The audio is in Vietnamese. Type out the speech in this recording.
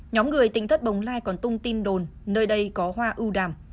nhóm người tính thất bồng lai còn tung tin đồn nơi đây có hoa ưu đàm